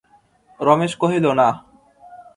রমেশ কহিল, না।